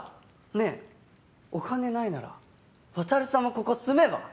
ねえお金ないなら渉さんもここ住めば？